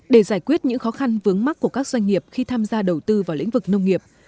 để giải quyết những khó khăn vướng mắt của các doanh nghiệp khi tham gia đầu tư vào lĩnh vực nông nghiệp